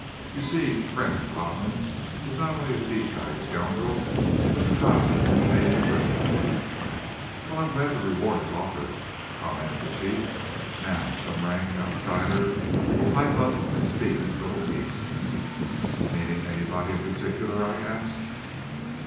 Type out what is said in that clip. You see, Friend Rodman is not only a deep dyed scoundrel, but the dye was 'made in Germany'!" "Well, I'm glad the reward is offered," commented the Chief. "Now some rank outsider'll pipe up and speak his little piece." "Meaning anybody in particular?" I asked.